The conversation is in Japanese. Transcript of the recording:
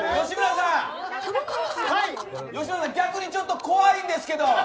吉村さん、逆にちょっと怖いんですけど！